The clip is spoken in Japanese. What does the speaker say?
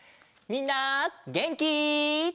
みんなげんき？